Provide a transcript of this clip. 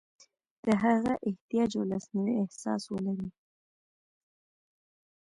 د هغه احتیاج او لاسنیوي احساس ولري.